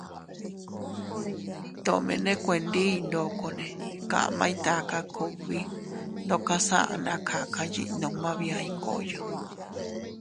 Tomene kuendiy ndokone kamay taka kugbi ndokas aʼa na kaka yiʼi numma bia Iyngoyo.